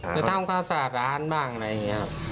ไปทำข้าวสารร้านบ้างอะไรอย่างนี้ครับ